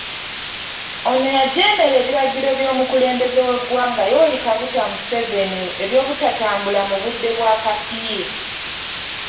Ono yajeemera ebiragiro by'omukulembeze w'eggwanga Yoweri Kaguta Museveni eky'obutatambula mu budde bwa kafiyu.